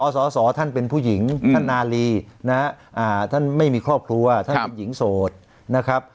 สอสอท่านเป็นผู้หญิงท่านนาลีนะฮะท่านไม่มีครอบครัวท่านเป็นหญิงโสดนะครับ